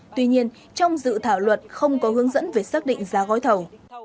tuy nhiên trong dự thảo luật không có hướng dẫn về xác định giá gói thầu